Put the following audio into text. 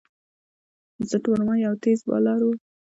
بسنت ورما یو تېز بالر وو.